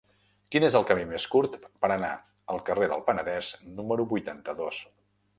Quin és el camí més curt per anar al carrer del Penedès número vuitanta-dos?